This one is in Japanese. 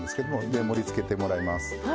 じゃあ盛りつけてもらいます。